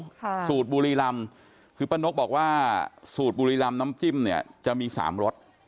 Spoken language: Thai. ค่ะสูตรบุรีรำคือป้านกบอกว่าสูตรบุรีลำน้ำจิ้มเนี่ยจะมีสามรส